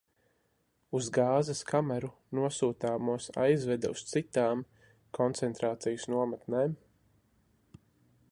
Uz gāzes kameru nosūtāmos aizveda uz citām koncentrācijas nometnēm.